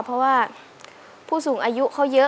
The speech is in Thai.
เพราะว่าผู้สูงอายุเขาเยอะ